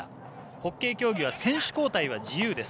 ホッケー競技は選手交代は自由です。